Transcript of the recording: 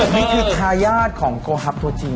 นี่คือทายาทของโกฮับตัวจริง